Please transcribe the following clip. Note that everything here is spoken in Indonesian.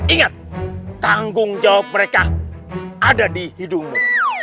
ingat tanggung jawab mereka ada di hidungmu